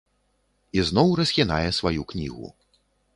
Ізноў расхінае сваю кнігу.